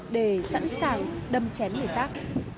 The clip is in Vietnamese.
để sẵn sàng trở lại nhà sống